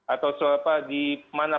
atau di mana